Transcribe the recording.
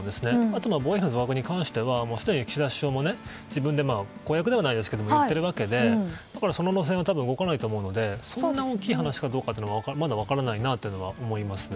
あと防衛費の増額に関しては岸田首相も公約ではないですが言っているのでその路線は動かないと思うのでそんな大きい話かはまだ分からないと思います。